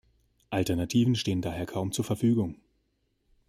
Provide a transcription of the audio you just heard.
Alternativen stehen daher kaum zur Verfügung.